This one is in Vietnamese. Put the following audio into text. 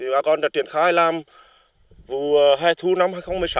bà con đã triển khai làm vụ hai thủ năm hai nghìn một mươi sáu